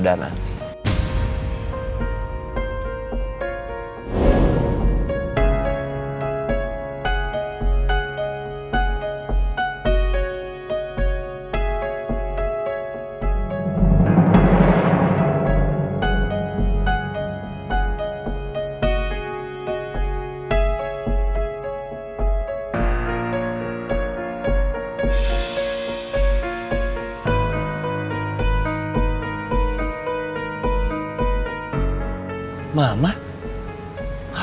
gimana merasa nih